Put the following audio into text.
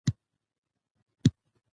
سیاسي ثبات د سولې ضمانت دی